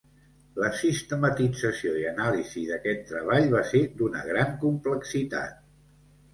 La sistematització i anàlisi d'aquest treball va ser d'una gran complexitat.